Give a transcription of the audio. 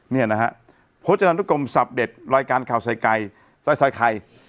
เนี่ยนะฮะโภชนาธุกรมสับเด็ดรอยการข่าวใส่ไก่ใส่ใส่ใคร